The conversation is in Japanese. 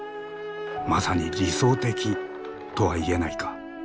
まさに理想的とは言えないか。